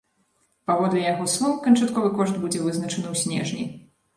Паводле яго слоў, канчатковы кошт будзе вызначаны ў снежні.